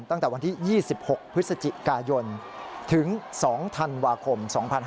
ตั้งแต่วันที่๒๖พฤศจิกายนถึง๒ธันวาคม๒๕๖๒